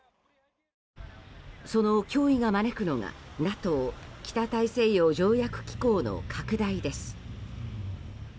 その脅威が招くのがＮＡＴＯ・北大西洋条約機構の拡大です。